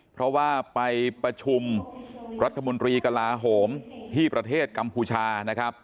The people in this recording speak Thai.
เพราะว่าไปประชุมรัฐมนตรีกลาโหมที่ประเทศกัมพูชานะครับ